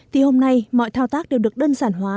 thì hôm nay mọi thao tác đều được đơn giản hóa